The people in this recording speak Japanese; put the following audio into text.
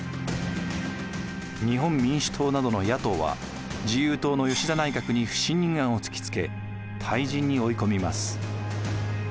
日本民主党などの野党は自由党の吉田内閣に不信任案を突きつけ退陣に追い込みます。